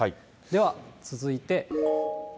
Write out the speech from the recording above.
では、続いて。